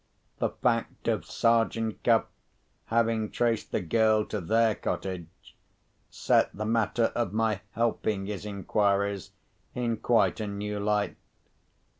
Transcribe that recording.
The fact of Sergeant Cuff having traced the girl to their cottage, set the matter of my helping his inquiries in quite a new light.